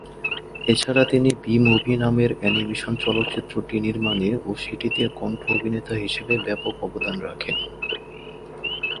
এছাড়া তিনি "Bee Movie" নামের অ্যানিমেশন চলচ্চিত্রটি নির্মাণে ও সেটিতে কন্ঠ-অভিনেতা হিসেবে ব্যাপক অবদান রাখেন।